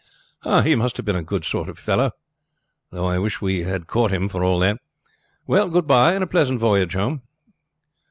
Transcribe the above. "He must have been a good sort of fellow," the captain said; "though I wish we had caught him for all that. Well, good by, and a pleasant voyage home."